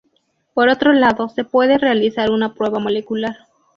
Por otro lado, se puede realizar una prueba molecular.